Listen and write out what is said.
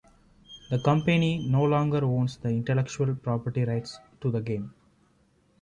The company no longer owns the intellectual property rights to the game.